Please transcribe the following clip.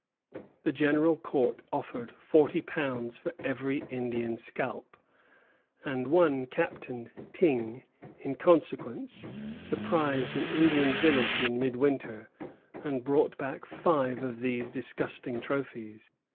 The General Court offered £40 for every Indian scalp, and one Captain Tyng, in consequence, surprised an Indian village in midwinter and brought back five of these disgusting trophies.